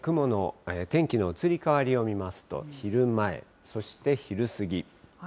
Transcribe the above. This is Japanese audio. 天気の移り変わりを見ますと、昼前、そして昼過ぎ。